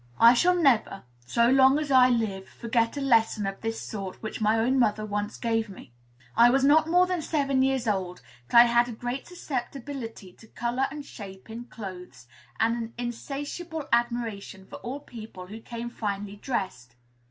I shall never, so long as I live, forget a lesson of this sort which my own mother once gave me. I was not more than seven years old; but I had a great susceptibility to color and shape in clothes, and an insatiable admiration for all people who came finely dressed.